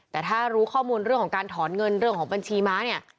แต่ถ้ารู้ข้อมูลเรื่องของการถอนเงินเรื่องของบัญชีม้าเนี่ย